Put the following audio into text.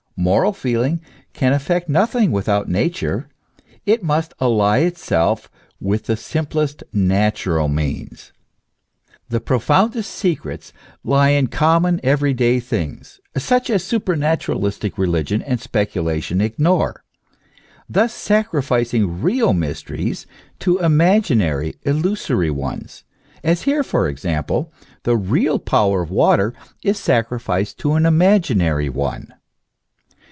Moral feeling can effect nothing without Nature; it must ally itself with the simplest natural means. The profoundest secrets lie in common every day things, such as supranaturalistic religion and speculation ignore, thus sacrificing real mysteries to imaginary, illusory ones; as here, for example, the real power of water is sacrificed to an imaginary one.